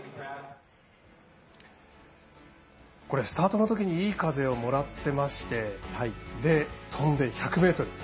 スタートのときにいい風をもらってまして飛んで１００ｍ。